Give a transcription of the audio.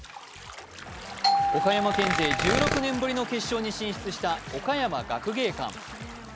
岡山県勢１６年ぶりの決勝に進出した岡山学芸館。